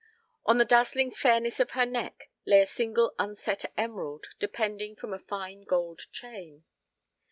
On the dazzling fairness of her neck lay a single unset emerald depending from a fine gold chain.